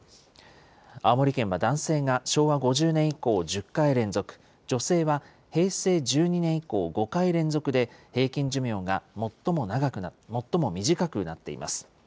青森県は男性が昭和５０年以降１０回連続、女性は平成１２年以降５回連続で、平均寿命が最も短くなっています。